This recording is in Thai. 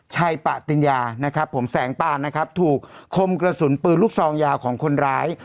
ปะติญญานะครับผมแสงตานนะครับถูกคมกระสุนปืนลูกซองยาวของคนร้าย